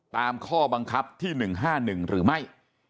ตามข้อบังคับที่๑๕๑หรือไม่